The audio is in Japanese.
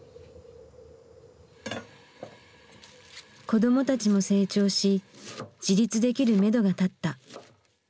子どもたちも成長し自立できるめどが立った。